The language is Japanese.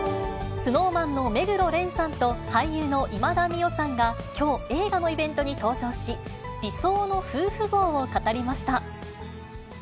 ＳｎｏｗＭａｎの目黒蓮さんと、俳優の今田美桜さんが、きょう映画のイベントに登場し、理想の夫婦像を語りました。